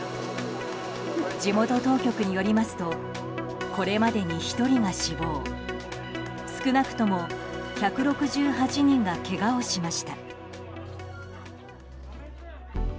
地元当局によりますとこれまでに１人が死亡少なくとも１６８人がけがをしました。